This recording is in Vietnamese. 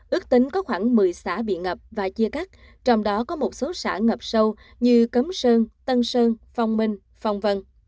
ước tính có khoảng một mươi xã bị ngập và chia cắt trong đó có một số xã ngập sâu như cấm sơn tân sơn phong minh phong vân